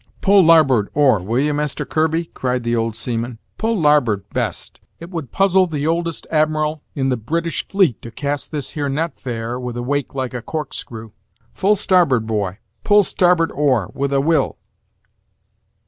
"Pull larboard oar, will ye, Master Kirby?" cried the old seaman; "pull larboard best. It would puzzle the oldest admiral in their British fleet to cast this here net fair, with a wake like a corkscrew. Full starboard, boy, pull starboard oar, with a will."